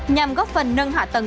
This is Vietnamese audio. nhằm góp phần nâng hạ tầng